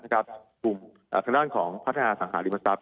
กลุ่มทางด้านของพัฒนาสังหาริมทรัพย